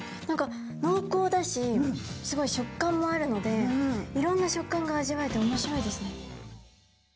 何かのうこうだしすごい食感もあるのでいろんな食感が味わえておもしろいですね。